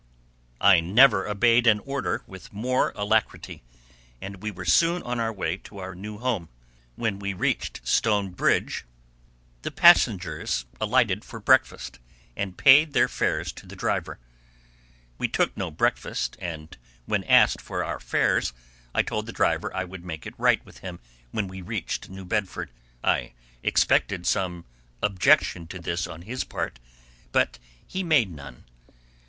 I never obeyed an order with more alacrity, and we were soon on our way to our new home. When we reached "Stone Bridge" the passengers alighted for breakfast, and paid their fares to the driver. We took no breakfast, and, when asked for our fares, I told the driver I would make it right with him when we reached New Bedford. I expected some objection to this on his part, but he made none.